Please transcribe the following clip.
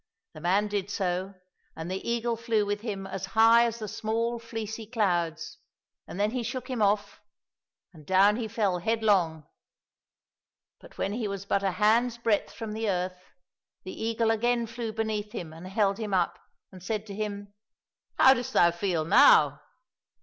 The man did so, and the eagle flew with him as high as the small fleecy clouds, and then he shook him off, and down he fell headlong ; but when he was but a hand's breadth from the earth, the eagle again flew beneath him and held him up, and said to him, " How dost thou feel now